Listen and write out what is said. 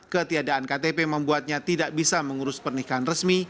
ketiadaan ktp membuatnya tidak bisa mengurus pernikahan resmi